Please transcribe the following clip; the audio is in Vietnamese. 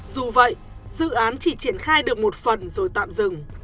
dù vậy dự án chỉ triển khai được một phần rồi tạm dừng